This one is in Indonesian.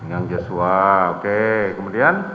pinggang yosua oke kemudian